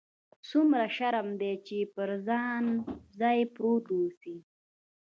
څومره شرم دى چې پر ځاى پروت اوسې.